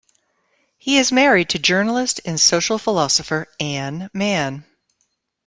He is married to journalist and social philosopher Anne Manne.